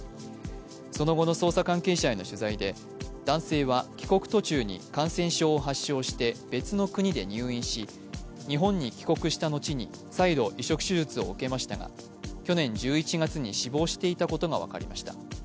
その後の捜査関係者への取材で男性は帰国途中に感染症を発症して別の国で入院し、日本に帰国した後に再度、移植手術を受けましたが去年１１月に死亡していたことが分かりました。